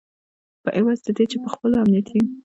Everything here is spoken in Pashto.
په عوض د دې چې په خپلو امنیتي